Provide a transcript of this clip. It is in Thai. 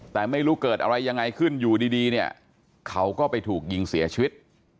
แต่ไม่รู้เกิดอะไรยังไงขึ้นอยู่ดีเนี่ยเขาก็ไปถูกยิงเสียชีวิต